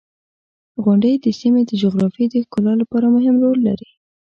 • غونډۍ د سیمې د جغرافیې د ښکلا لپاره مهم رول لري.